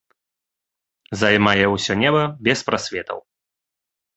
Займае ўсё неба без прасветаў.